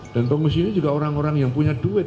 dan pengungsi ini juga orang orang yang punya duit